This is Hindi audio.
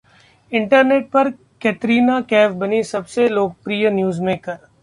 इंटरनेट पर कैटरीन कैफ बनी सबसे लोकप्रिय ‘न्यूज मेकर’